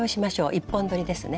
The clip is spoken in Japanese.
１本どりですね。